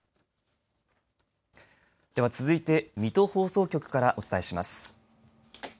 では続いて水戸放送局からお伝えします。